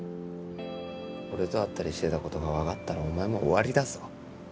俺と会ったりしてた事がわかったらお前も終わりだぞ。